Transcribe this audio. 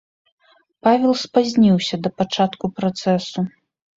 Павел спазніўся да пачатку працэсу.